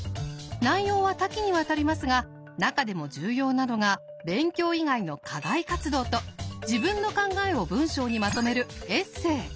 内容は多岐にわたりますが中でも重要なのが勉強以外の課外活動と自分の考えを文章にまとめるエッセー。